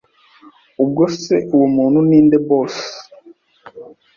Ubwo se uwo muntu ninde Boss